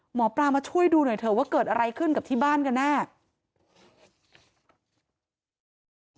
หมอปลามาช่วยดูหน่อยเถอะว่าเกิดอะไรขึ้นกับที่บ้านกันแน่